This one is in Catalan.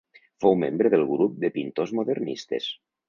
Fou membre del grup de pintors modernistes.